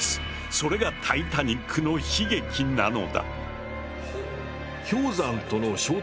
それがタイタニックの悲劇なのだ。